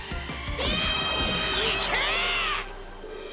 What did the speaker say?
いけ！